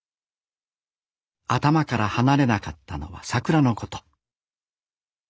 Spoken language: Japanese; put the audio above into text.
頭から離れなかったのは桜のこと。